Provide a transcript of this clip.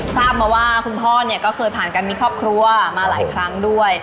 ทราบมาว่าคุณพ่อเนี่ยก็เคยผ่านการมีครอบครัวมาหลายครั้งด้วย